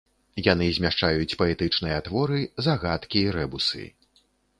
Яны змяшчаюць паэтычныя творы, загадкі і рэбусы.